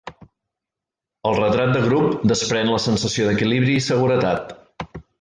El retrat de grup desprèn la sensació d'equilibri i seguretat.